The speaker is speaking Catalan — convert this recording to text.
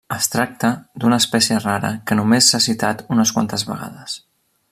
Es tracta d'una espècie rara que només s'ha citat unes quantes vegades.